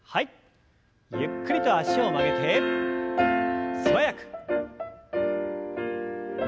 ゆっくりと脚を曲げて素早く。